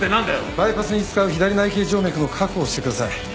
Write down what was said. バイパスに使う左内頸静脈の確保をしてください。